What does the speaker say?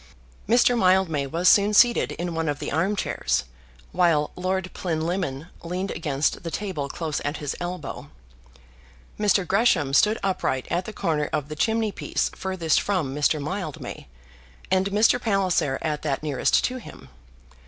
Mr. Mildmay was soon seated in one of the armchairs, while Lord Plinlimmon leaned against the table close at his elbow. Mr. Gresham stood upright at the corner of the chimney piece furthest from Mr. Mildmay, and Mr. Palliser at that nearest to him.